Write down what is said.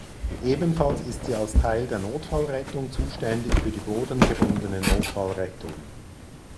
Ebenfalls ist sie als Teil der Notfallrettung zuständig für die bodengebundene Notfallrettung.